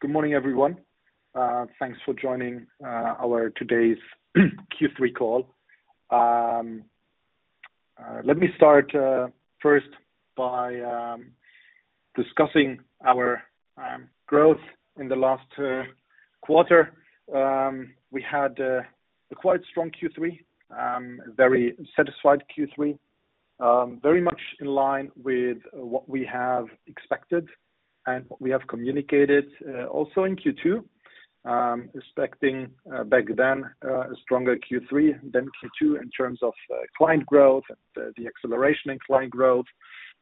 Good morning, everyone. Thanks for joining our today's Q3 call. Let me start first by discussing our growth in the last quarter. We had a quite strong Q3, very satisfied Q3, very much in line with what we have expected and what we have communicated also in Q2. Expecting back then a stronger Q3 than Q2 in terms of client growth, the acceleration in client growth,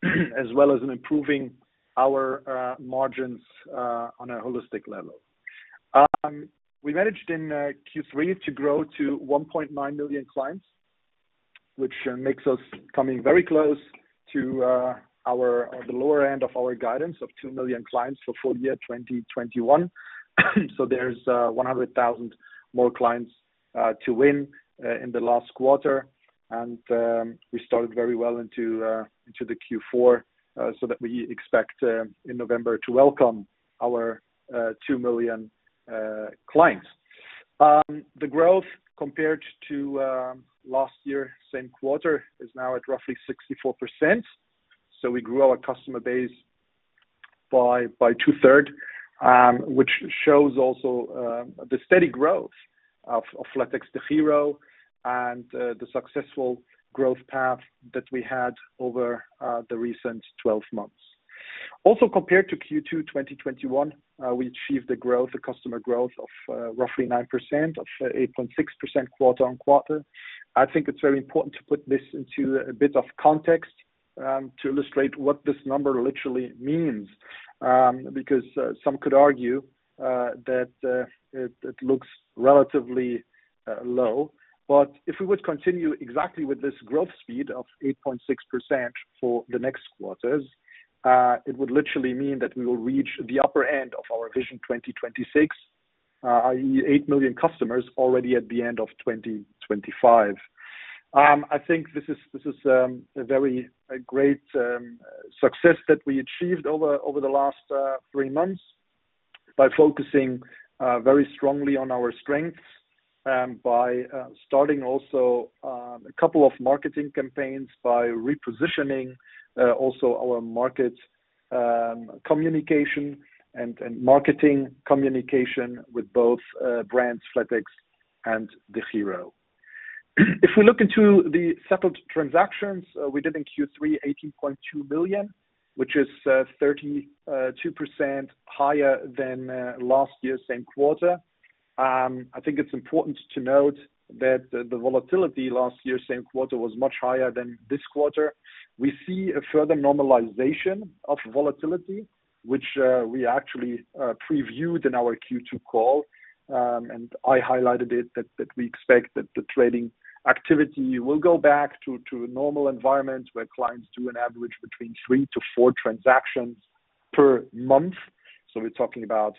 as well as improving our margins on a holistic level. We managed in Q3 to grow to 1.9 million clients, which makes us coming very close to the lower end of our guidance of 2 million clients for full year 2021. There's 100,000 more clients to win in the last quarter. We started very well into the Q4, so that we expect in November to welcome our 2 million clients. The growth compared to last year, same quarter, is now at roughly 64%. We grew our customer base by two-thirds, which shows also the steady growth of flatexDEGIRO and the successful growth path that we had over the recent 12 months. Compared to Q2 2021, we achieved the customer growth of roughly 9% or 8.6% quarter-on-quarter. I think it's very important to put this into a bit of context, to illustrate what this number literally means, because some could argue that it looks relatively low. If we would continue exactly with this growth speed of 8.6% for the next quarters, it would literally mean that we will reach the upper end of our Vision 2026, i.e. 8 million customers already at the end of 2025. I think this is a great success that we achieved over the last three months by focusing very strongly on our strengths, by starting also a couple of marketing campaigns, by repositioning also our market communication and marketing communication with both brands, flatex and DEGIRO. If we look into the settled transactions, we did in Q3 18.2 billion, which is 32% higher than last year's same quarter. I think it's important to note that the volatility last year's same quarter was much higher than this quarter. We see a further normalization of volatility, which we actually previewed in our Q2 call. I highlighted it that we expect that the trading activity will go back to a normal environment where clients do an average between three to four transactions per month. So we're talking about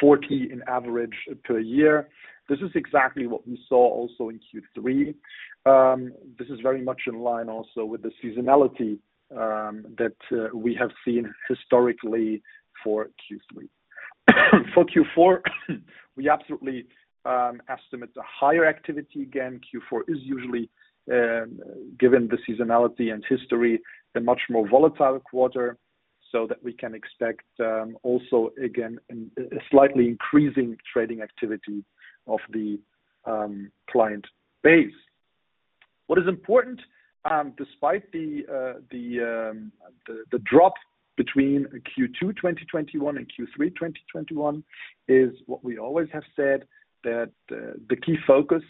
40 on average per year. This is exactly what we saw also in Q3. This is very much in line also with the seasonality that we have seen historically for Q3. For Q4, we absolutely estimate a higher activity. Again, Q4 is usually, given the seasonality and history, a much more volatile quarter, so that we can expect, also again a slightly increasing trading activity of the client base. What is important, despite the drop between Q2 2021 and Q3 2021 is what we always have said, that the key focus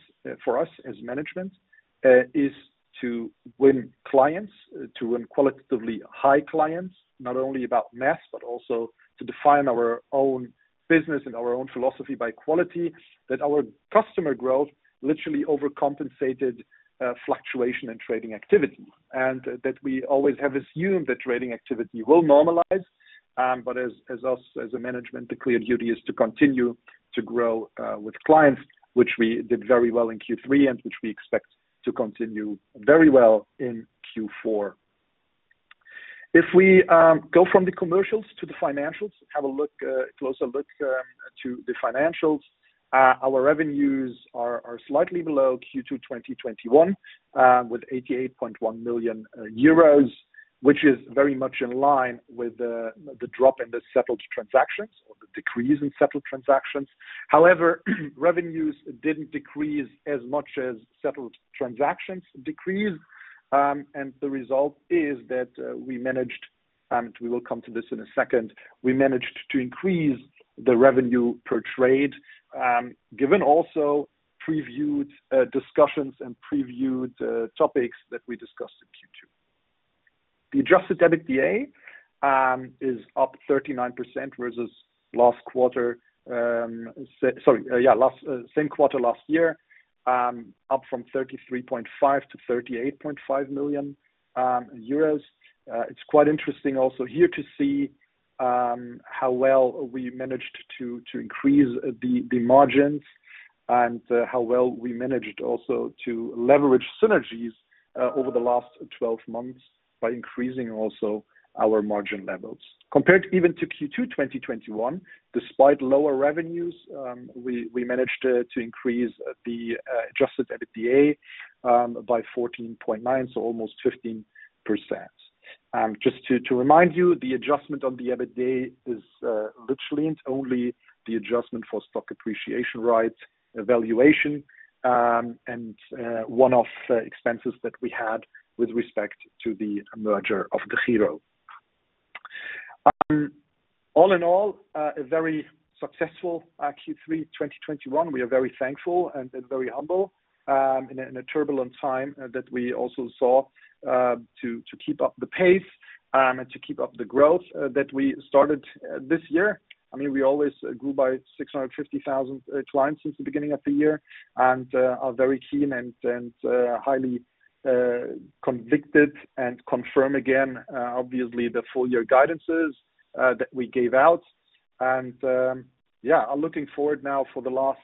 for us as management is to win clients, to win qualitatively high clients, not only about mass, but also to define our own business and our own philosophy by quality. That our customer growth literally overcompensated fluctuation and trading activity. that we always have assumed that trading activity will normalize. As a management, the clear duty is to continue to grow with clients, which we did very well in Q3 and which we expect to continue very well in Q4. If we go from the commercials to the financials, have a closer look to the financials. Our revenues are slightly below Q2 2021 with 88.1 million euros, which is very much in line with the drop in the settled transactions or the decrease in settled transactions. However, revenues didn't decrease as much as settled transactions decreased. The result is that we will come to this in a second. We managed to increase the revenue per trade, given also previous discussions and previous topics that we discussed in Q2. The adjusted EBITDA is up 39% versus last quarter. Same quarter last year, up from 33.5 million to 38.5 million euros. It's quite interesting also here to see how well we managed to increase the margins. How well we managed also to leverage synergies over the last 12 months by increasing also our margin levels. Compared even to Q2 2021, despite lower revenues, we managed to increase the adjusted EBITDA by 14.9, so almost 15%. Just to remind you, the adjustment on the EBITDA is literally and only the adjustment for stock appreciation rights valuation and one-off expenses that we had with respect to the merger of DEGIRO. All in all, a very successful Q3 2021. We are very thankful and very humble in a turbulent time that we also saw to keep up the pace and to keep up the growth that we started this year. I mean, we always grew by 650,000 clients since the beginning of the year and are very keen and highly convinced and confirm again obviously the full year guidances that we gave out. Yeah, I'm looking forward now for the last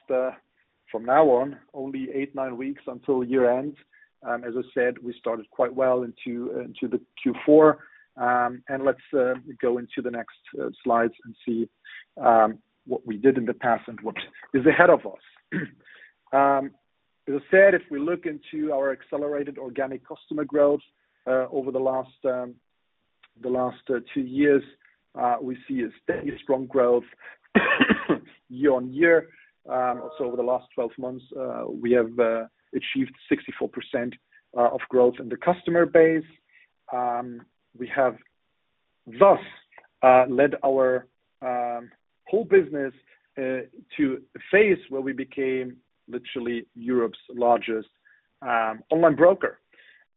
from now on only eight to nine weeks until year-end. As I said, we started quite well into the Q4. Let's go into the next slides and see what we did in the past and what is ahead of us. As I said, if we look into our accelerated organic customer growth over the last two years, we see a steady, strong growth year on year. Over the last 12 months, we have achieved 64% of growth in the customer base. We have thus led our whole business to a phase where we became literally Europe's largest online broker.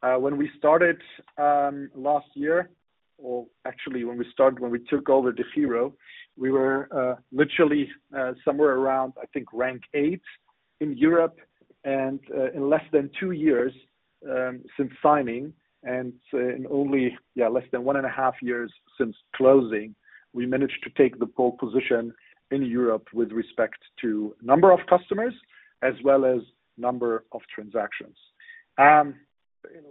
When we started last year, or actually when we took over the DEGIRO, we were literally somewhere around, I think, rank eight in Europe. In less than two years, since signing and in only, yeah, less than one and a half years since closing, we managed to take the pole position in Europe with respect to number of customers as well as number of transactions.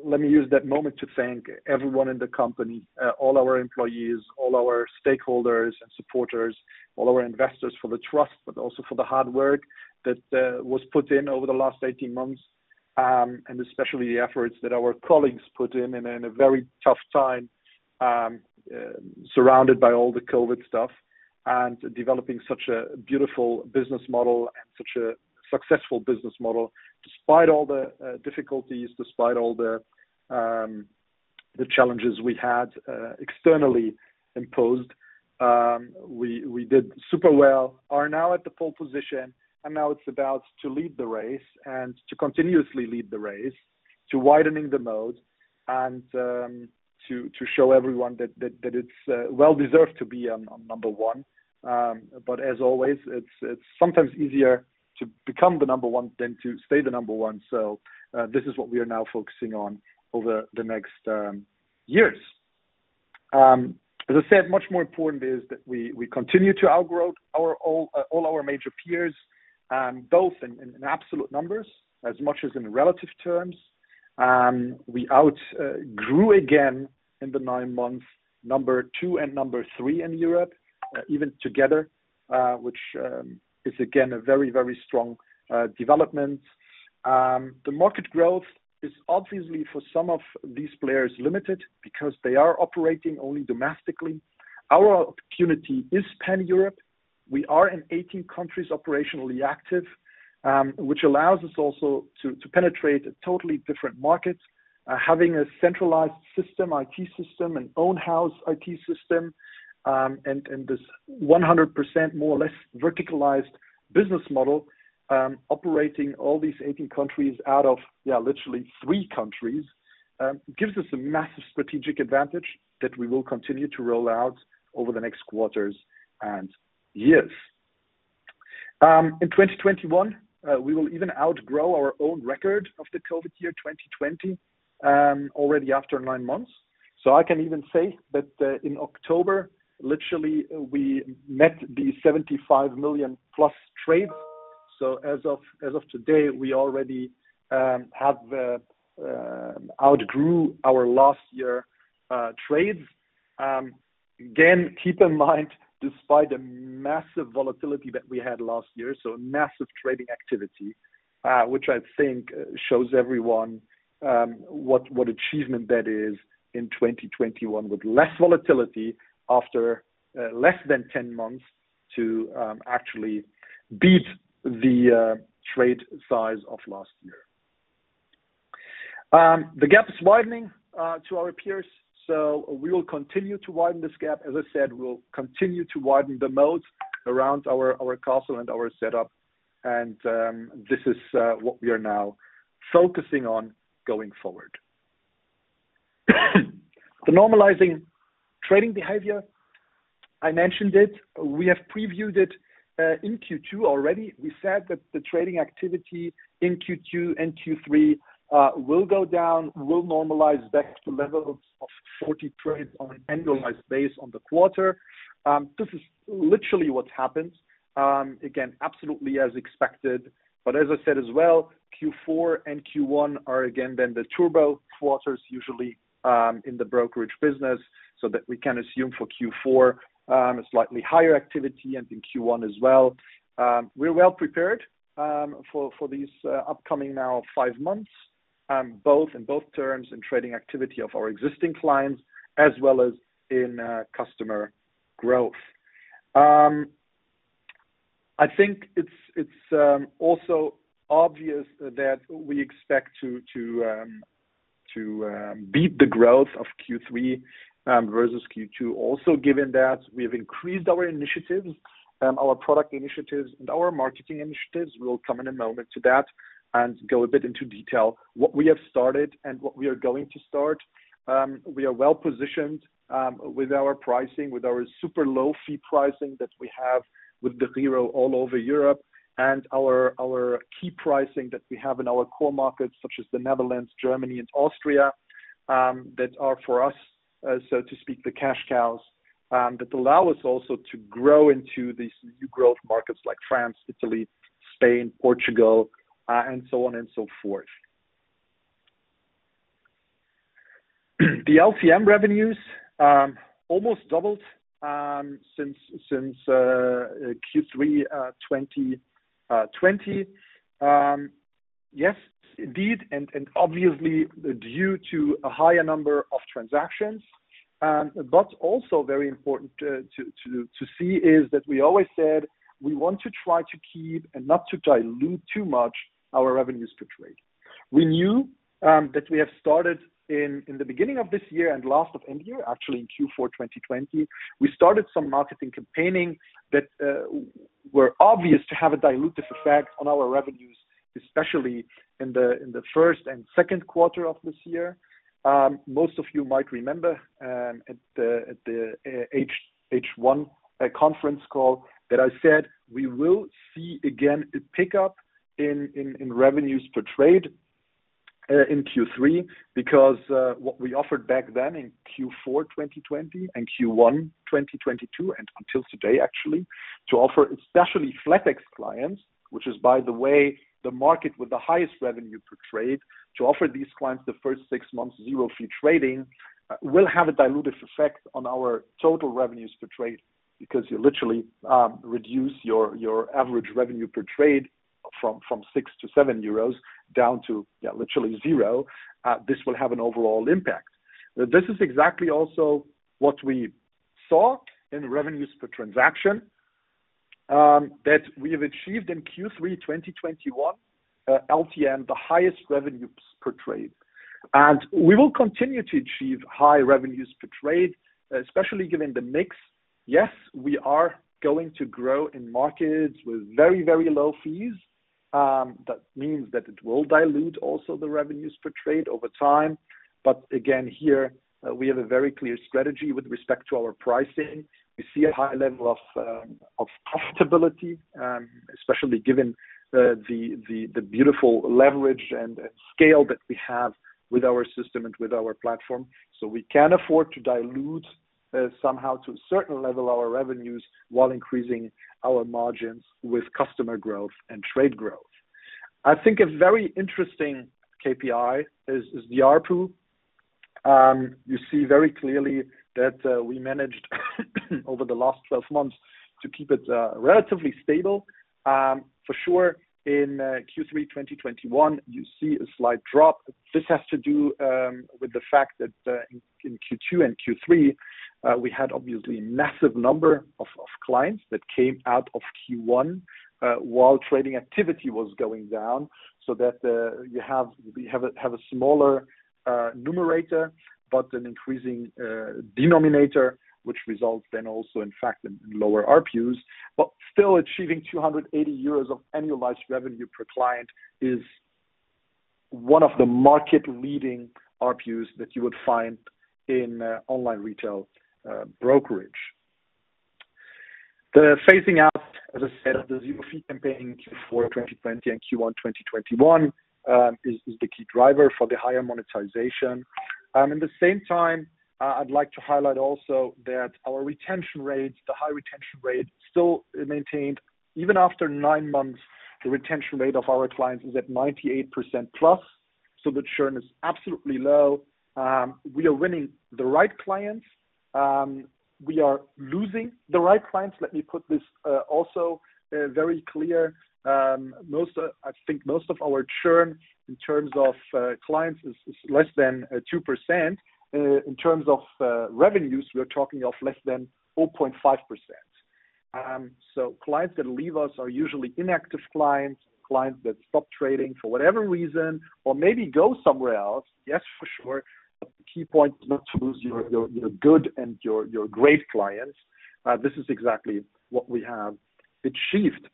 Let me use that moment to thank everyone in the company, all our employees, all our stakeholders and supporters, all our investors for the trust, but also for the hard work that was put in over the last 18 months. Especially the efforts that our colleagues put in, and in a very tough time, surrounded by all the COVID stuff and developing such a beautiful business model and such a successful business model. Despite all the difficulties, despite all the challenges we had, externally imposed, we did super well. are now at the pole position, and now it's about to lead the race and to continuously lead the race, to widening the moat and to show everyone that it's well-deserved to be number one. As always, it's sometimes easier to become the number one than to stay the number one. This is what we are now focusing on over the next years. As I said, much more important is that we continue to outgrow all our major peers, both in absolute numbers as much as in relative terms. We outgrew again in the nine months, number two and number three in Europe, even together, which is again a very strong development. The market growth is obviously for some of these players limited because they are operating only domestically. Our opportunity is pan-European. We are in 18 countries operationally active, which allows us also to penetrate totally different markets. Having a centralized system, IT system, an in-house IT system, and this 100% more or less verticalized business model, operating all these 18 countries out of literally three countries, gives us a massive strategic advantage that we will continue to roll out over the next quarters and years. In 2021, we will even outgrow our own record of the COVID year, 2020, already after nine months. I can even say that, in October, literally we met the 75 million-plus trades. As of today, we already have outgrew our last year trades. Again, keep in mind, despite the massive volatility that we had last year, so massive trading activity, which I think shows everyone what achievement that is in 2021 with less volatility after less than 10 months to actually beat the trade size of last year. The gap is widening to our peers, we will continue to widen this gap. As I said, we'll continue to widen the moats around our castle and our setup. This is what we are now focusing on going forward. The normalizing trading behavior, I mentioned it. We have previewed it in Q2 already. We said that the trading activity in Q2 and Q3 will go down, will normalize back to levels of 40 trades on an annualized basis on the quarter. This is literally what happened. Again, absolutely as expected. As I said as well, Q4 and Q1 are again then the turbo quarters usually in the brokerage business, so that we can assume for Q4 a slightly higher activity and in Q1 as well. We're well prepared for these upcoming now five months, in both terms in trading activity of our existing clients as well as in customer growth. I think it's also obvious that we expect to beat the growth of Q3 versus Q2. Also given that we have increased our initiatives, our product initiatives and our marketing initiatives. We'll come in a moment to that and go a bit into detail what we have started and what we are going to start. We are well-positioned with our pricing, with our super low fee pricing that we have with the zero all over Europe and our key pricing that we have in our core markets such as the Netherlands, Germany, and Austria, that are for us, so to speak, the cash cows, that allow us also to grow into these new growth markets like France, Italy, Spain, Portugal, and so on and so forth. The LTM revenues almost doubled since Q3 2020. Yes, indeed, obviously due to a higher number of transactions. Also very important to see is that we always said we want to try to keep and not to dilute too much our revenues per trade. We knew that we have started in the beginning of this year and end of last year, actually in Q4 of 2020. We started some marketing campaigns that were bound to have a dilutive effect on our revenues, especially in the first and second quarter of this year. Most of you might remember at the H1 conference call that I said we will see again a pickup in revenues per trade in Q3. What we offered back then in Q4 of 2020 and Q1 2022, and until today, actually, to offer especially flatex clients, which is, by the way, the market with the highest revenue per trade, to offer these clients the first six months zero fee trading, will have a dilutive effect on our total revenues per trade. You literally reduce your average revenue per trade from 6 to 7 euros down to, yeah, literally zero. This will have an overall impact. This is exactly also what we saw in revenues per transaction that we have achieved in Q3 2021 LTM, the highest revenues per trade. We will continue to achieve high revenues per trade, especially given the mix. Yes, we are going to grow in markets with very, very low fees. That means that it will dilute also the revenues per trade over time. Again, here, we have a very clear strategy with respect to our pricing. We see a high level of profitability, especially given the beautiful leverage and scale that we have with our system and with our platform. We can afford to dilute somehow to a certain level our revenues while increasing our margins with customer growth and trade growth. I think a very interesting KPI is the ARPU. You see very clearly that we managed over the last 12 months to keep it relatively stable. For sure, in Q3 2021, you see a slight drop. This has to do with the fact that in Q2 and Q3 we had obviously a massive number of clients that came out of Q1 while trading activity was going down so that we have a smaller numerator but an increasing denominator which results then also in fact in lower ARPUs. Still achieving 280 euros of annualized revenue per client is one of the market-leading ARPUs that you would find in online retail brokerage. The phasing out, as I said, of the zero fee campaign in Q4 of 2020 and Q1 2021 is the key driver for the higher monetization. At the same time I'd like to highlight also that our retention rates, the high retention rate still maintained. Even after nine months, the retention rate of our clients is at 98% plus, so the churn is absolutely low. We are winning the right clients. We are losing the right clients. Let me put this also very clear. I think most of our churn in terms of clients is less than 2%. In terms of revenues, we are talking of less than 4.5%. So clients that leave us are usually inactive clients that stop trading for whatever reason, or maybe go somewhere else. Yes, for sure. Key point is not to lose your good and your great clients. This is exactly what we have achieved.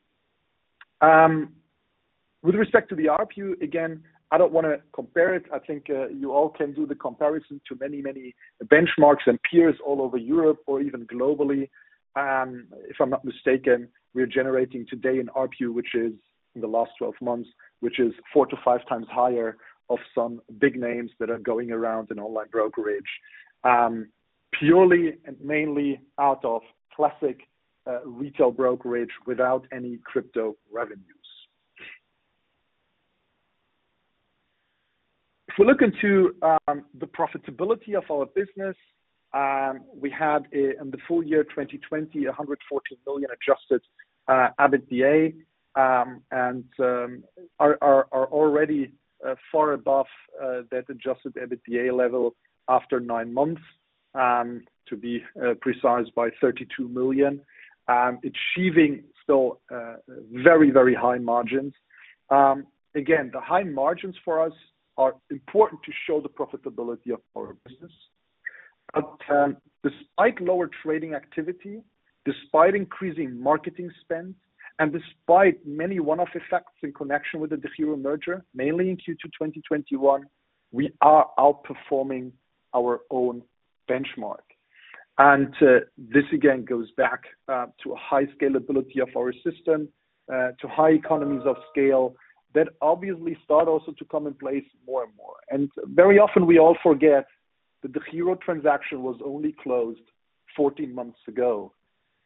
With respect to the RPU, again, I don't wanna compare it. I think you all can do the comparison to many, many benchmarks and peers all over Europe or even globally. If I'm not mistaken, we are generating today an RPU, which is in the last 12 months, which is four to five times higher than some big names that are going around in online brokerage, purely and mainly out of classic retail brokerage without any crypto revenues. If we look into the profitability of our business, we had in the full year 2020, 114 million adjusted EBITDA, and are already far above that adjusted EBITDA level after nine months, to be precise by 32 million, achieving still very, very high margins. Again, the high margins for us are important to show the profitability of our business. Despite lower trading activity, despite increasing marketing spend, and despite many one-off effects in connection with the DEGIRO merger, mainly in Q2, 2021, we are outperforming our own benchmark. This again goes back to a high scalability of our system to high economies of scale that obviously start also to come in place more and more. Very often we all forget that the DEGIRO transaction was only closed 14 months ago.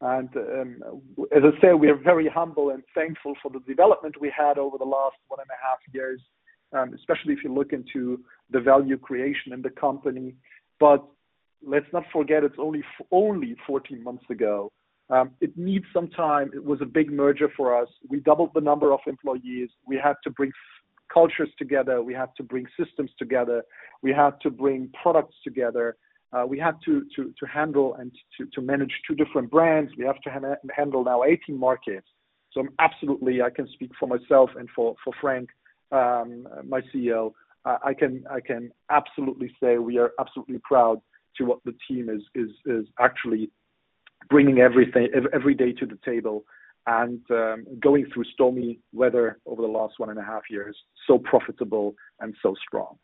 As I said, we are very humble and thankful for the development we had over the last one and a half years, especially if you look into the value creation in the company. Let's not forget it's only 14 months ago. It needs some time. It was a big merger for us. We doubled the number of employees. We had to bring cultures together. We had to bring systems together. We had to bring products together. We had to handle and manage two different brands. We have to handle now 18 markets. I can speak for myself and for Jens Möbitz, my CEO. I can absolutely say we are absolutely proud of what the team is actually bringing every day to the table and going through stormy weather over the last one and a half years, so profitable and so strong.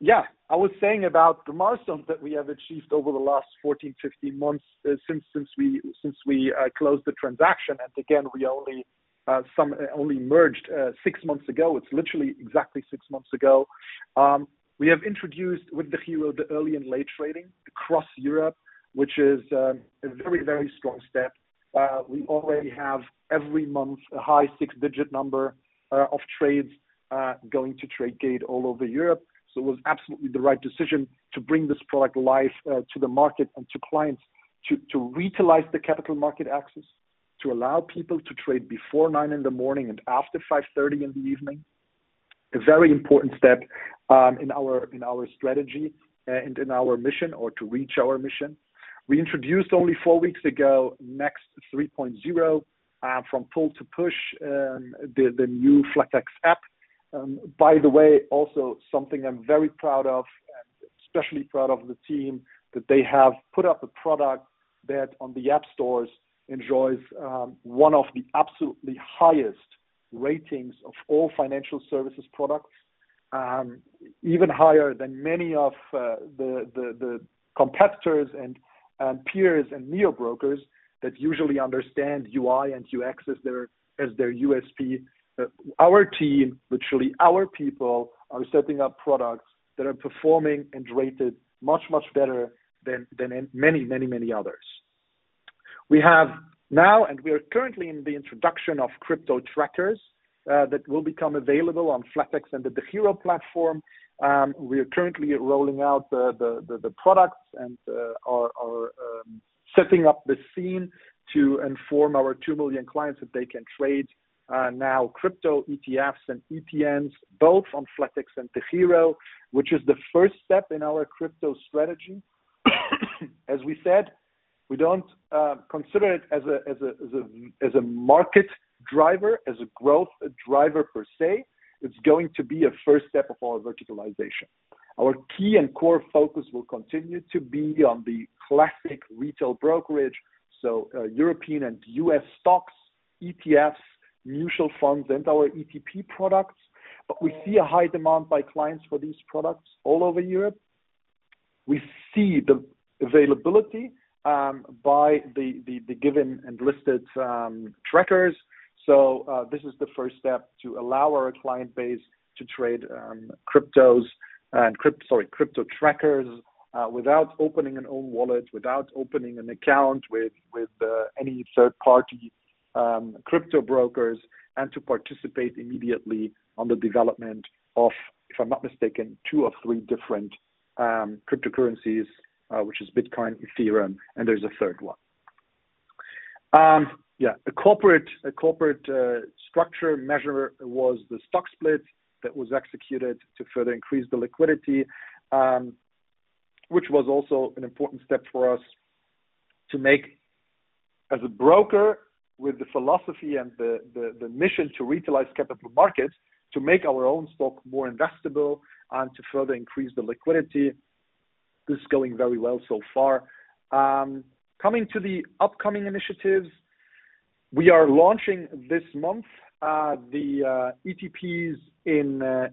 Yeah, I was saying about the milestones that we have achieved over the last 14, 15 months, since we closed the transaction. Again, we only merged six months ago. It's literally exactly six months ago. We have introduced with the DEGIRO the early and late trading across Europe, which is a very, very strong step. We already have every month a high six-digit number of trades going to Tradegate all over Europe. It was absolutely the right decision to bring this product live to the market and to clients to retailize the capital market access, to allow people to trade before 9:00 A.M. and after 5:30 P.M. A very important step in our strategy and in our mission or to reach our mission. We introduced only four weeks ago next 3.0 from pull to push, the new flatex app. By the way, also something I'm very proud of, and especially proud of the team that they have put up a product that on the App Stores enjoys one of the absolutely highest ratings of all financial services products, even higher than many of the competitors and peers and neo brokers that usually understand UI and UX as their USP. Our team, literally our people, are setting up products that are performing and rated much better than many others. We have now and we are currently in the introduction of crypto trackers that will become available on flatex and the DEGIRO platform. We are currently rolling out the products and setting up the scene to inform our 2 million clients that they can trade now crypto ETFs and ETNs both on flatex and DEGIRO, which is the first step in our crypto strategy. As we said, we don't consider it as a market driver, as a growth driver per se. It's going to be a first step of our verticalization. Our key and core focus will continue to be on the classic retail brokerage, so European and U.S. stocks, ETFs, mutual funds, and our ETP products. But we see a high demand by clients for these products all over Europe. We see the availability of the given and listed trackers. This is the first step to allow our client base to trade crypto trackers without opening our own wallet, without opening an account with any third party crypto brokers, and to participate immediately on the development of, if I'm not mistaken, two or three different cryptocurrencies, which is Bitcoin, Ethereum, and there's a third one. The corporate structure measure was the stock split that was executed to further increase the liquidity, which was also an important step for us to make as a broker with the philosophy and the mission to utilize capital markets to make our own stock more investable and to further increase the liquidity. This is going very well so far. Coming to the upcoming initiatives, we are launching this month the ETPs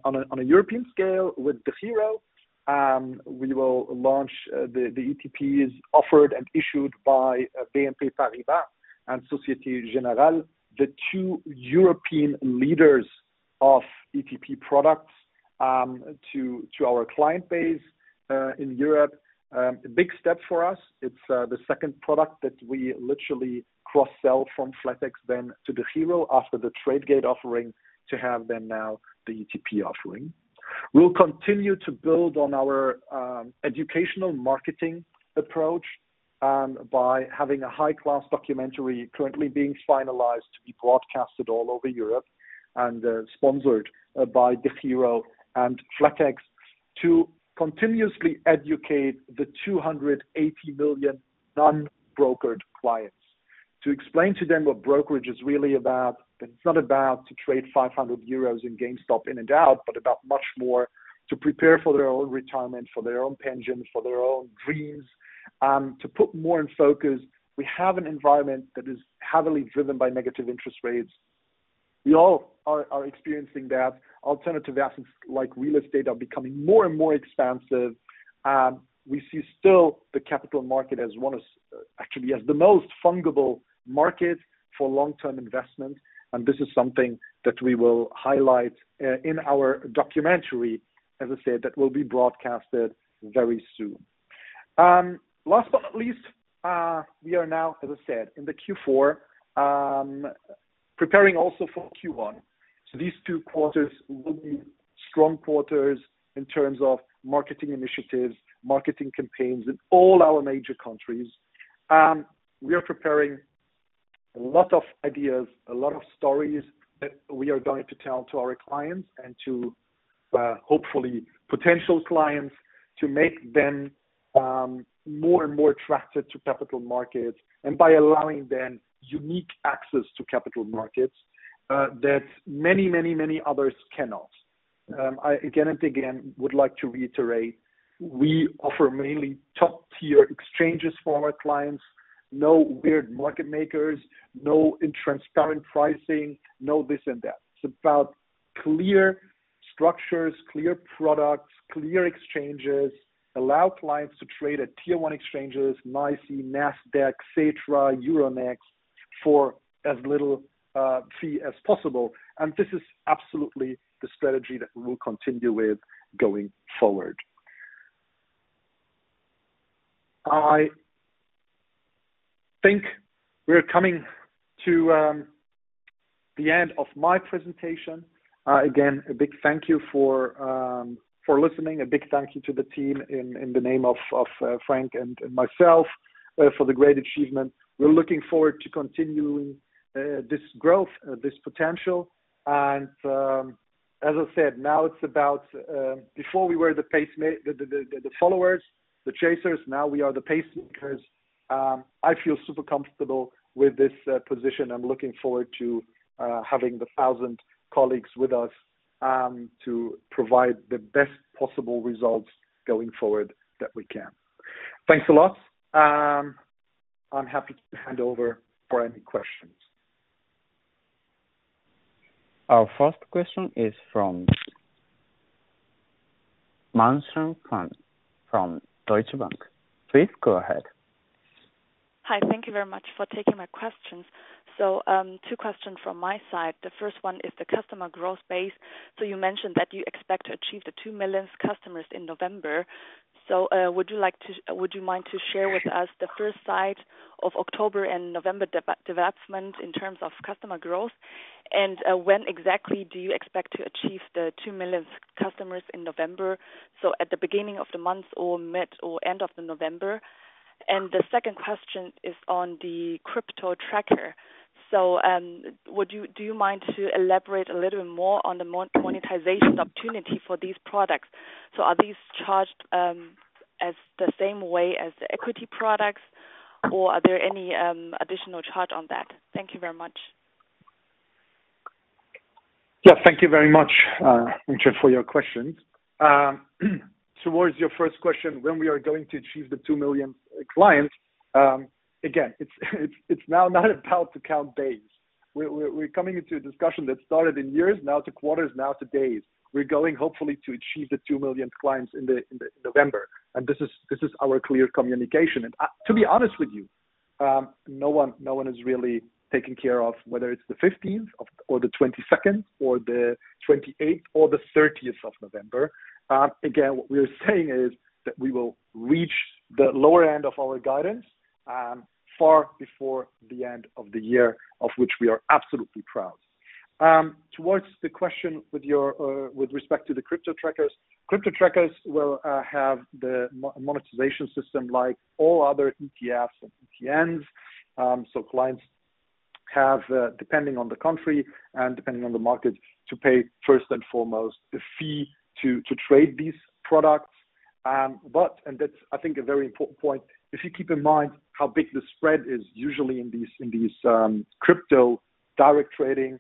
on a European scale with DEGIRO. We will launch the ETPs offered and issued by BNP Paribas and Société Générale, the two European leaders of ETP products, to our client base in Europe. A big step for us. It's the second product that we literally cross-sell from flatex then to DEGIRO after the Tradegate offering to have them now the ETP offering. We'll continue to build on our educational marketing approach by having a high-class documentary currently being finalized to be broadcasted all over Europe and sponsored by DEGIRO and flatex to continuously educate the 280 million non-brokered clients. To explain to them what brokerage is really about. It's not about to trade 500 euros in GameStop in and out, but about much more to prepare for their own retirement, for their own pension, for their own dreams, to put more in focus. We have an environment that is heavily driven by negative interest rates. We all are experiencing that. Alternative assets like real estate are becoming more and more expensive. We see still the capital market as the most fungible market for long-term investment, and this is something that we will highlight, actually, in our documentary, as I said, that will be broadcasted very soon. Last but not least, we are now, as I said, in the Q4, preparing also for Q1. These two quarters will be strong quarters in terms of marketing initiatives, marketing campaigns in all our major countries. We are preparing a lot of ideas, a lot of stories that we are going to tell to our clients and to hopefully potential clients to make them more and more attracted to capital markets, and by allowing them unique access to capital markets that many others cannot. I again and again would like to reiterate, we offer mainly top-tier exchanges for our clients. No weird market makers, no intransparent pricing, no this and that. It's about clear structures, clear products, clear exchanges, allow clients to trade at tier one exchanges, NYSE, Nasdaq, Xetra, Euronext, for as little fee as possible. This is absolutely the strategy that we'll continue with going forward. I think we're coming to the end of my presentation. Again, a big thank you for listening. A big thank you to the team in the name of Frank and myself for the great achievement. We're looking forward to continuing this growth, this potential. As I said, now it's about before we were the followers, the chasers, now we are the pacemakers. I feel super comfortable with this position. I'm looking forward to having the 1,000 colleagues with us to provide the best possible results going forward that we can. Thanks a lot. I'm happy to hand over for any questions. Our first question is from Mengxian Sun from Deutsche Bank. Please go ahead. Hi. Thank you very much for taking my questions. Two questions from my side. The first one is the customer growth base. You mentioned that you expect to achieve the two millionth customers in November. Would you mind to share with us the first half of October and November development in terms of customer growth? When exactly do you expect to achieve the two millionth customers in November? At the beginning of the month or mid or end of November? The second question is on the crypto tracker. Would you mind to elaborate a little more on the monetization opportunity for these products? Are these charged in the same way as the equity products, or are there any additional charge on that? Thank you very much. Yeah. Thank you very much, Mengxian Sun, for your questions. Towards your first question, when we are going to achieve the two million clients. Again, it's now not about to count days. We're coming into a discussion that started in years now to quarters, now to days. We're hopefully going to achieve the two million clients in November, and this is our clear communication. To be honest with you, no one is really taking care of whether it's the 15th or the 22nd, or the 28th or the 30th of November. Again, what we're saying is that we will reach the lower end of our guidance far before the end of the year, of which we are absolutely proud. Towards the question with your, with respect to the crypto trackers. Crypto trackers will have the monetization system like all other ETFs and ETNs. Clients have, depending on the country and depending on the market, to pay first and foremost the fee to trade these products. And that's, I think, a very important point, if you keep in mind how big the spread is usually in these, in these, crypto direct trading.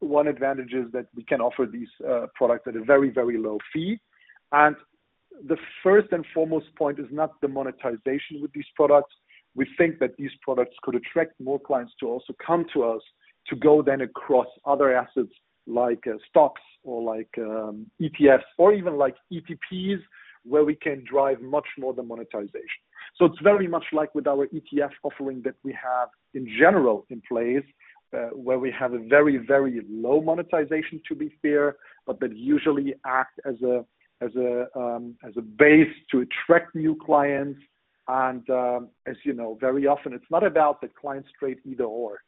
One advantage is that we can offer these products at a very, very low fee. The first and foremost point is not the monetization with these products. We think that these products could attract more clients to also come to us to go then across other assets like stocks or like ETFs or even like ETPs, where we can drive much more the monetization. It's very much like with our ETF offering that we have in general in place, where we have a very, very low monetization, to be fair, but that usually act as a base to attract new clients and, as you know, very often it's not about the client straight either/or.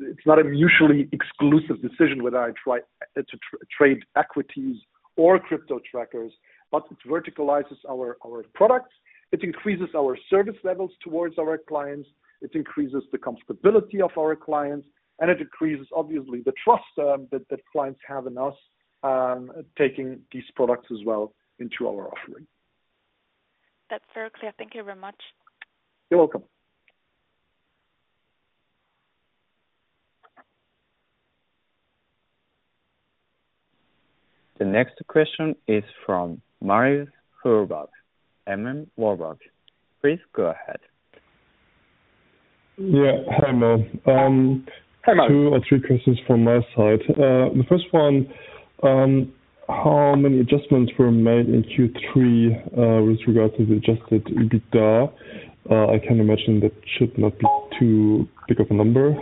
It's not a mutually exclusive decision whether I try to trade equities or crypto trackers, but it verticalizes our products. It increases our service levels towards our clients. It increases the comfortability of our clients, and it increases, obviously, the trust that the clients have in us, taking these products as well into our offering. That's very clear. Thank you very much. You're welcome. The next question is from Marius Fuhrberg, M.M. Warburg. Please go ahead. Yeah. Hi, Mo. Hey, Marius. Two or three questions from my side. The first one, how many adjustments were made in Q3 with regards to the adjusted EBITDA? I can imagine that should not be too big of a number.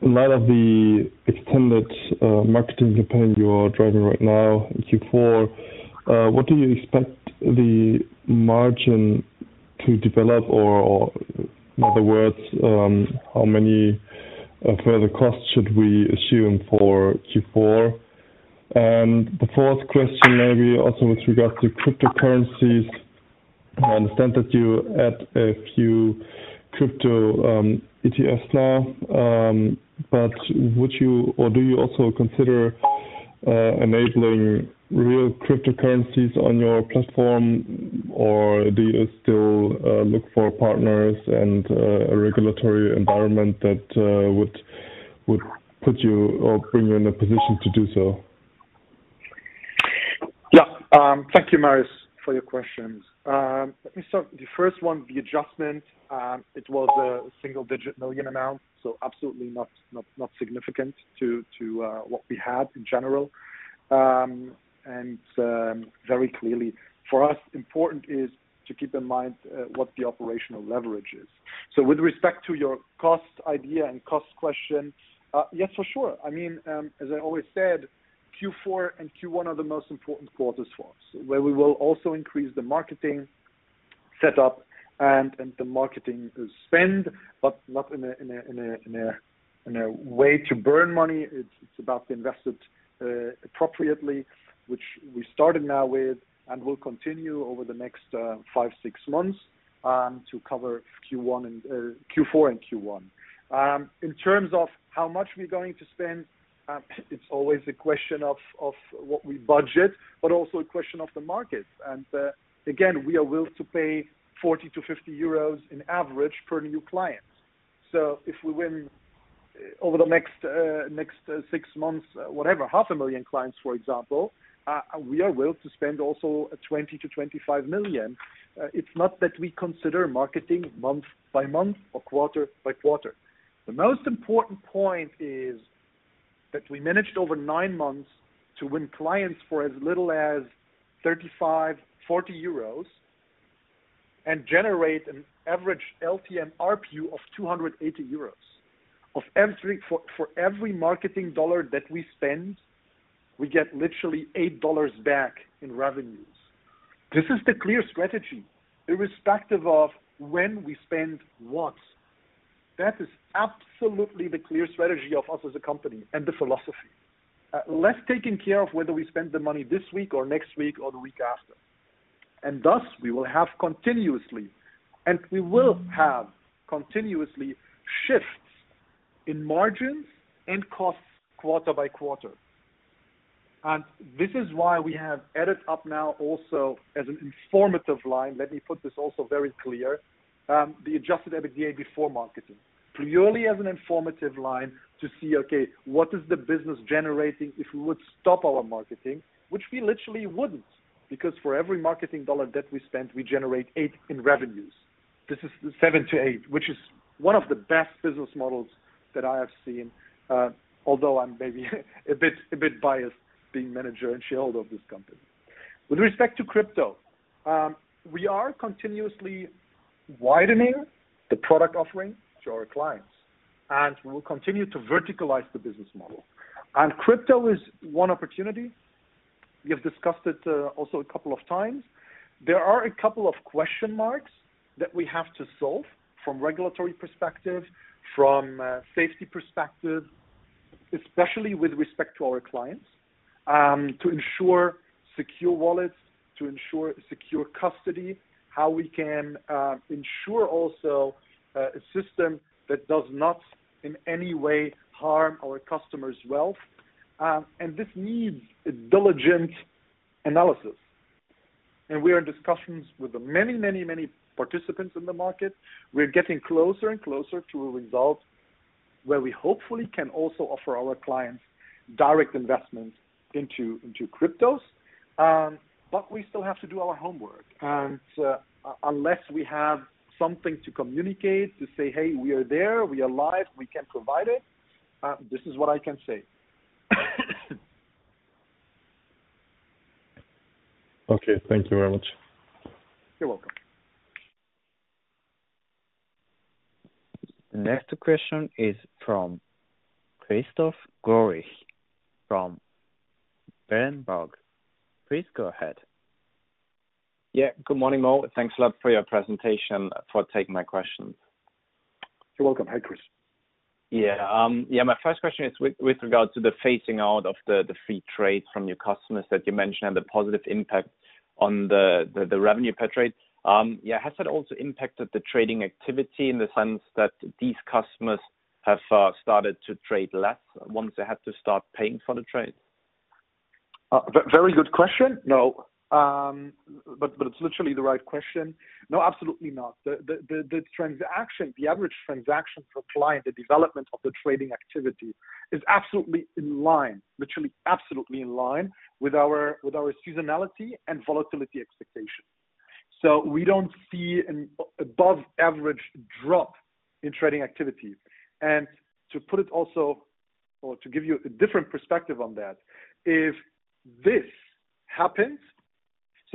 The second one, a lot of the extended marketing campaign you're driving right now in Q4, what do you expect the margin to develop? Or, in other words, how many further costs should we assume for Q4? The fourth question maybe also with regards to cryptocurrencies. I understand that you add a few crypto ETFs now, but would you or do you also consider enabling real cryptocurrencies on your platform? Or do you still look for partners and a regulatory environment that would put you or bring you in a position to do so? Yeah. Thank you, Marius, for your questions. Let me start with the first one, the adjustment. It was a single-digit million EUR amount, so absolutely not significant to what we had in general. Very clearly for us, important is to keep in mind what the operational leverage is. With respect to your cost idea and cost question, yes, for sure. I mean, as I always said, Q4 and Q1 are the most important quarters for us, where we will also increase the marketing set up and the marketing spend, but not in a way to burn money. It's about invested appropriately, which we started now with and will continue over the next five, six months to cover Q4 and Q1. In terms of how much we're going to spend, it's always a question of what we budget, but also a question of the markets. Again, we are willing to pay 40-50 euros on average per new client. If we win over the next six months, whatever, 500,000 clients, for example, we are willing to spend 20 million-25 million. It's not that we consider marketing month by month or quarter by quarter. The most important point is that we managed over nine months to win clients for as little as 35- 40 euros and generate an average LTM RPU of 280 euros. For every marketing dollar that we spend, we get literally $8 back in revenues. This is the clear strategy, irrespective of when we spend what. That is absolutely the clear strategy of us as a company and the philosophy. Less taking care of whether we spend the money this week or next week or the week after. Thus we will have continuous shifts in margins and costs quarter by quarter. This is why we have added up now also as an informative line. Let me put this also very clear, the adjusted EBITDA before marketing, purely as an informative line to see, okay, what is the business generating, if we would stop our marketing, which we literally wouldn't, because for every marketing dollar that we spend, we generate $8 in revenues. This is $7-$8, which is one of the best business models that I have seen, although I'm maybe a bit biased being manager and shareholder of this company. With respect to crypto, we are continuously widening the product offering to our clients, and we will continue to verticalize the business model. Crypto is one opportunity. We have discussed it also a couple of times. There are a couple of question marks that we have to solve from regulatory perspective, from safety perspective, especially with respect to our clients, to ensure secure wallets to ensure secure custody, how we can ensure also a system that does not in any way harm our customers' wealth. This needs a diligent analysis. We are in discussions with the many participants in the market. We're getting closer and closer to a result where we hopefully can also offer our clients direct investments into cryptos. But we still have to do our homework. Unless we have something to communicate, to say, "Hey, we are there, we are live, we can provide it," this is what I can say. Okay, thank you very much. You're welcome. The next question is from Christoph Greulich from Berenberg. Please go ahead. Yeah, good morning, all. Thanks a lot for your presentation, for taking my questions. You're welcome. Hi, Chris. Yeah, my first question is with regards to the phasing out of the free trades from your customers that you mentioned, and the positive impact on the revenue per trade. Has that also impacted the trading activity in the sense that these customers have started to trade less once they had to start paying for the trade? Very good question. No, but it's literally the right question. No, absolutely not. The average transaction per client, the development of the trading activity is absolutely in line, literally absolutely in line with our seasonality and volatility expectations. We don't see an above average drop in trading activity. To put it also or to give you a different perspective on that. If this happens,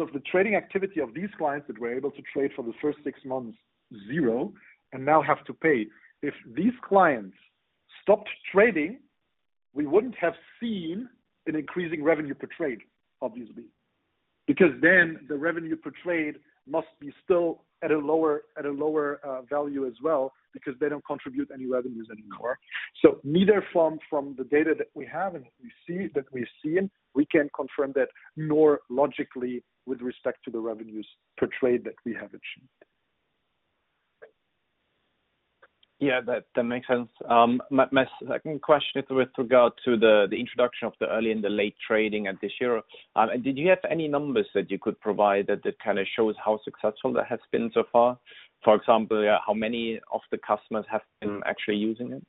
if the trading activity of these clients that were able to trade for the first six months zero, and now have to pay, if these clients stopped trading, we wouldn't have seen an increasing revenue per trade, obviously. Because then the revenue per trade must be still at a lower value as well, because they don't contribute any revenues anymore. Neither from the data that we have and we see that we're seeing can we confirm that, nor logically with respect to the revenues per trade that we have achieved. Yeah. That makes sense. My second question is with regard to the introduction of the early and the late trading at the zero. Did you have any numbers that you could provide that just kind of shows how successful that has been so far? For example, how many of the customers have been actually using it?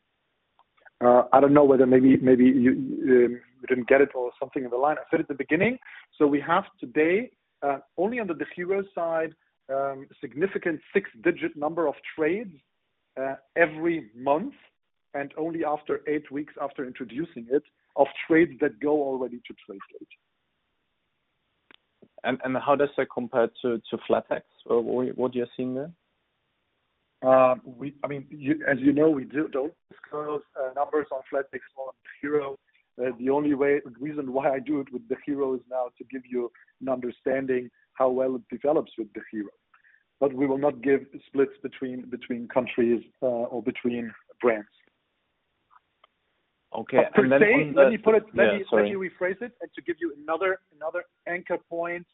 I don't know whether maybe you didn't get it or something in the line. I said at the beginning. We have today only under the DEGIRO side significant six-digit number of trades every month, and only after eight weeks after introducing it, of trades that go already to Tradegate. How does that compare to flatex? Or what are you seeing there? As you know, we do those curves, numbers on flatex on DEGIRO. The reason why I do it with DEGIRO is now to give you an understanding how well it develops with DEGIRO. We will not give splits between countries, or between brands. Okay. Let me put it- Yeah, sorry. Let me rephrase it. To give you another anchor point,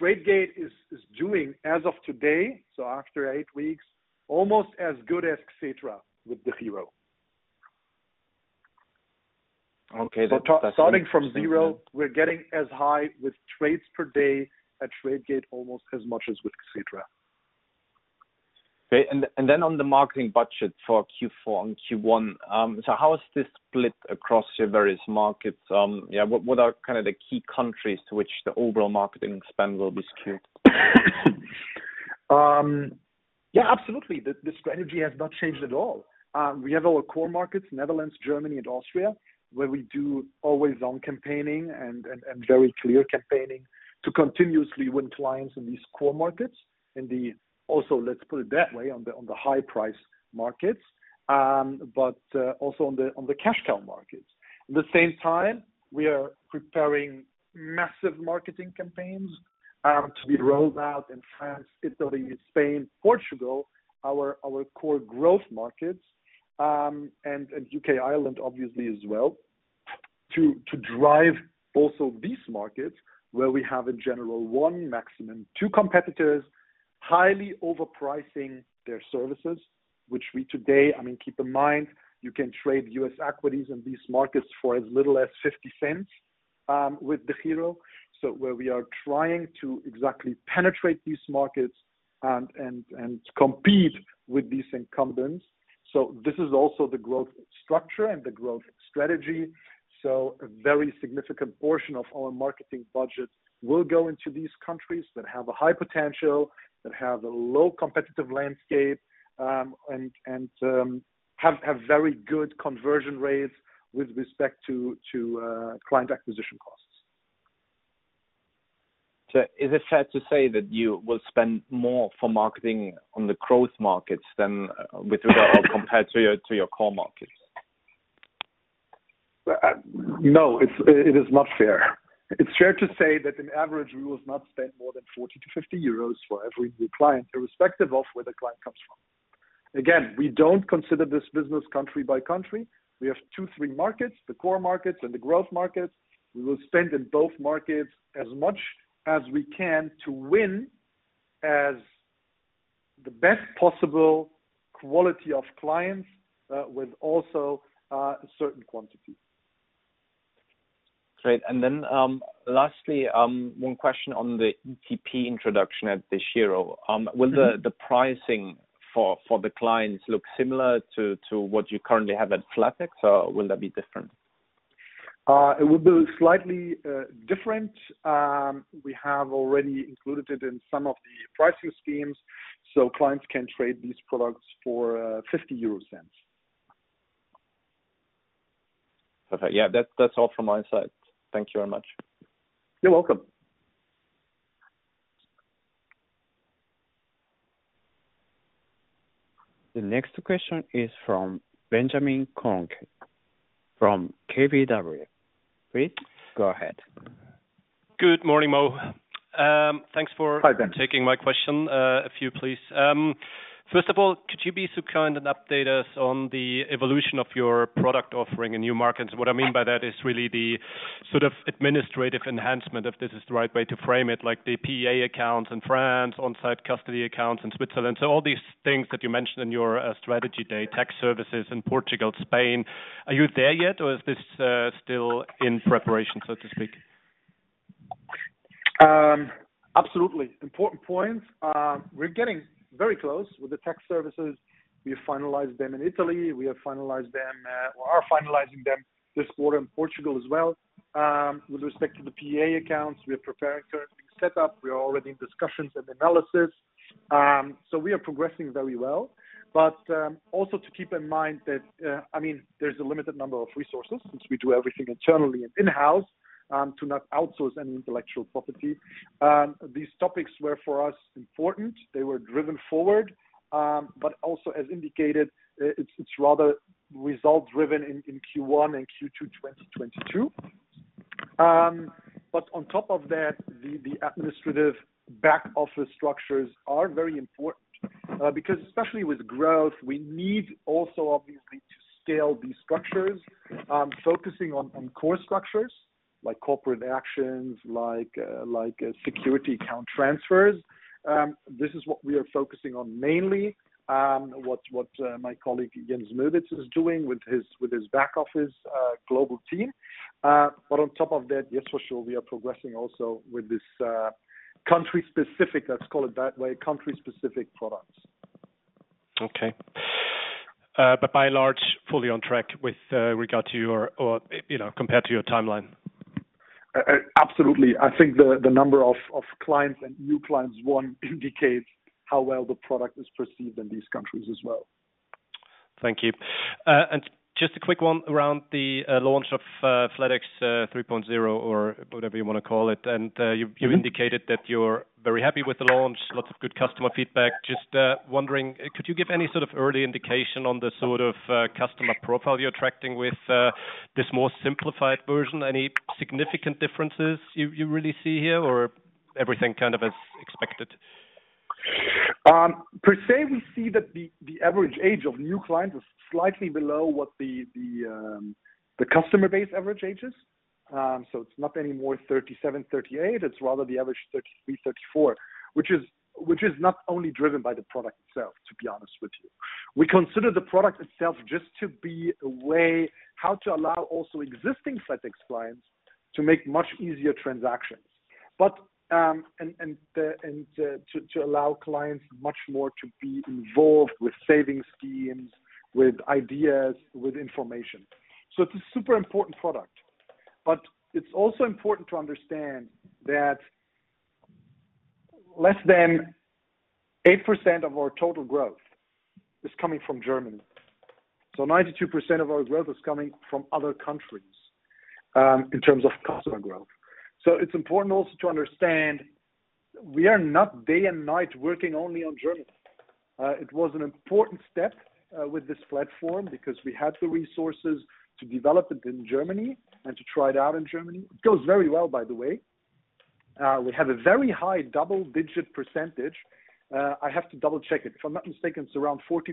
Tradegate is doing as of today, so after eight weeks, almost as good as Xetra with the DEGIRO. Okay. Starting from zero, we're getting as high with trades per day at Tradegate, almost as much as with Xetra. Okay. On the marketing budget for Q4 and Q1, how is this split across your various markets? Yeah, what are kind of the key countries to which the overall marketing spend will be skewed? Yeah, absolutely. The strategy has not changed at all. We have our core markets, Netherlands, Germany, and Austria, where we do always on campaigning and very clear campaigning to continuously win clients in these core markets. Also, let's put it that way, on the high price markets, but also on the cash cow markets. At the same time, we are preparing massive marketing campaigns to be rolled out in France, Italy, Spain, Portugal, our core growth markets, and U.K., Ireland, obviously as well, to drive also these markets where we have generally one maximum two competitors, highly overpricing their services, which we today. I mean, keep in mind, you can trade U.S. equities in these markets for as little as $0.50 with DEGIRO. Where we are trying to exactly penetrate these markets and compete with these incumbents. This is also the growth structure and the growth strategy. A very significant portion of our marketing budgets will go into these countries that have a high potential, that have a low competitive landscape, and have very good conversion rates with respect to client acquisition costs. Is it fair to say that you will spend more for marketing on the growth markets than with regard or compared to your core markets? No, it is not fair. It's fair to say that on average, we will not spend more than 40-50 euros for every new client, irrespective of where the client comes from. Again, we don't consider this business country by country. We have two-three markets, the core markets and the growth markets. We will spend in both markets as much as we can to win the best possible quality of clients, with also a certain quantity. Great. Lastly, one question on the ETP introduction at DEGIRO. Will the pricing for the clients look similar to what you currently have at flatex, or will that be different? It will be slightly different. We have already included it in some of the pricing schemes, so clients can trade these products for 0.50. Okay. Yeah. That's all from my side. Thank you very much. You're welcome. The next question is from Benjamin Kohnke from KBW. Please go ahead. Good morning, Mo. Thanks for- Hi, Ben. Thank you for taking my question. A few, please. First of all, could you be so kind and update us on the evolution of your product offering in new markets? What I mean by that is really the sort of administrative enhancement, if this is the right way to frame it, like the PEA accounts in France, on-site custody accounts in Switzerland. All these things that you mentioned in your Strategy Day, tax services in Portugal, Spain. Are you there yet, or is this still in preparation, so to speak? Absolutely. Important point. We're getting very close with the tax services. We finalized them in Italy. We have finalized them, or are finalizing them this quarter in Portugal as well. With respect to the PEA accounts, we are preparing currently set up. We are already in discussions and analysis. We are progressing very well. Also to keep in mind that, I mean, there's a limited number of resources since we do everything internally and in-house, to not outsource any intellectual property. These topics were, for us, important. They were driven forward. Also as indicated, it's rather result driven in Q1 and Q2, 2022. On top of that, the administrative back office structures are very important, because especially with growth, we need also obviously to scale these structures, focusing on core structures like corporate actions, like security account transfers. This is what we are focusing on mainly, what my colleague Jens Möbitz is doing with his back office global team. On top of that, yes, for sure, we are progressing also with this country-specific, let's call it that way, country-specific products. Okay. By and large, fully on track with, you know, compared to your timeline. Absolutely. I think the number of clients and new clients indicates how well the product is perceived in these countries as well. Thank you. Just a quick one around the launch of flatex 3.0 or whatever you wanna call it. You've indicated that you're very happy with the launch, lots of good customer feedback. Just wondering, could you give any sort of early indication on the sort of customer profile you're attracting with this more simplified version? Any significant differences you really see here or everything kind of as expected? Per se, we see that the average age of new clients is slightly below what the customer base average age is. It's not anymore 37%, 38%. It's rather the average 33%, 34%, which is not only driven by the product itself, to be honest with you. We consider the product itself just to be a way how to allow also existing flatex clients to make much easier transactions and to allow clients much more to be involved with savings schemes, with ideas, with information. It's a super important product. But it's also important to understand that less than 8% of our total growth is coming from Germany. 92% of our growth is coming from other countries in terms of customer growth. It's important also to understand we are not day and night working only on Germany. It was an important step with this platform because we had the resources to develop it in Germany and to try it out in Germany. It goes very well, by the way. We have a very high double-digit percentage. I have to double-check it. If I'm not mistaken, it's around 40%,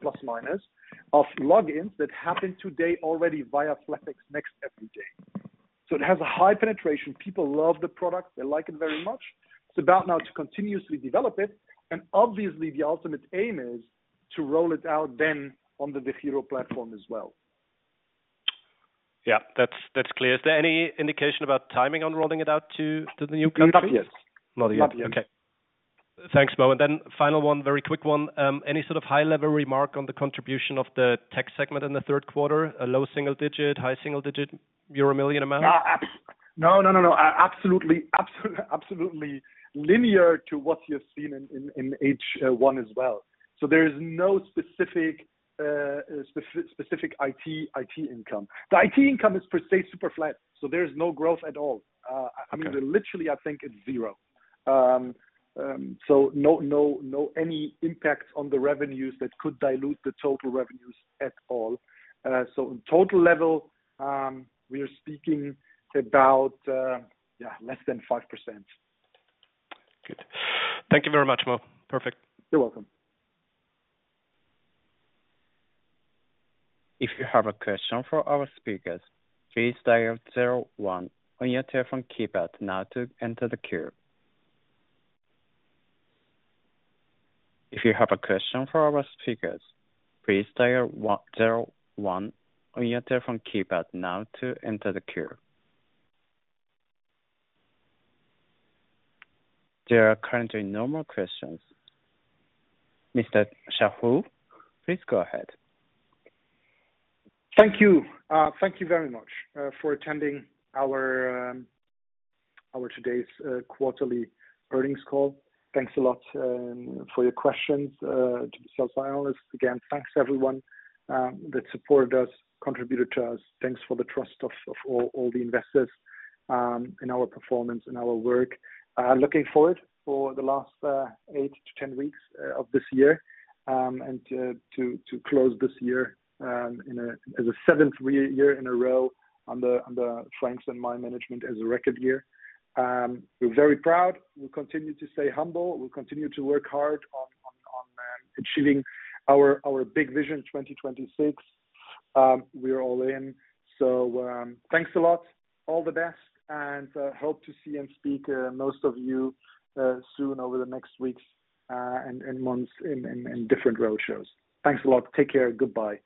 plus minus, of logins that happen today already via flatex next every day. It has a high penetration. People love the product. They like it very much. It's about now to continuously develop it, and obviously the ultimate aim is to roll it out then on the DEGIRO platform as well. Yeah. That's clear. Is there any indication about timing on rolling it out to the new countries? Not yet. Not yet. Not yet. Okay. Thanks, Mo. Final one, very quick one. Any sort of high-level remark on the contribution of the tech segment in the third quarter? A low single digit, high single digit euro million amount? No. Absolutely linear to what you've seen in H1 as well. There is no specific interest income. The interest income is per se super flat, so there is no growth at all. I mean, literally, I think it's zero. No any impact on the revenues that could dilute the total revenues at all. In total level, we are speaking about less than 5%. Good. Thank you very much, Mo. Perfect. You're welcome. If you have a question for our speakers, please dial zero one on your telephone keypad now to enter the queue. There are currently no more questions. Mr. Chahrour, please go ahead. Thank you. Thank you very much for attending our today's quarterly earnings call. Thanks a lot for your questions to the sales analysts. Again, thanks everyone that supported us, contributed to us. Thanks for the trust of all the investors in our performance and our work. Looking forward for the last eight to 10 weeks of this year and to close this year as a seventh year in a row under Frank's and my management as a record year. We're very proud. We'll continue to stay humble. We'll continue to work hard on achieving our big Vision 2026. We're all in. Thanks a lot. All the best, and hope to see and speak most of you soon over the next weeks and months in different roadshows. Thanks a lot. Take care. Goodbye.